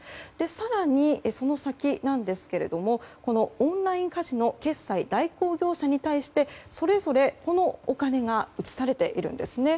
更に、その先なんですがオンラインカジノ決済代行業者に対してそれぞれ、このお金が移されているんですね。